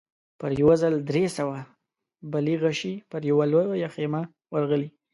په يوه ځل درې سوه بلې غشې پر لويه خيمه ورغلې.